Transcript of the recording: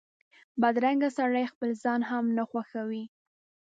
بدرنګه سړی خپل ځان هم نه خوښوي